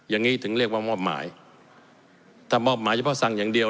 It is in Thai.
อย่างนี้ถึงเรียกว่ามอบหมายถ้ามอบหมายเฉพาะสั่งอย่างเดียว